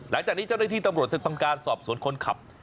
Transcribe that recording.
หลังจากนี้เจ้าหน้าที่ตำรวจจะทำการสอบสวนคนขับ